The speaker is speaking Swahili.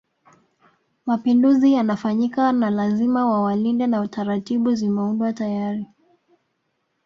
Mapinduzi yanafanyika na lazima wawalinde na taratibu zimeundwa tayari